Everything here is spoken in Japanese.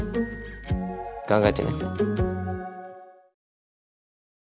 考えてね。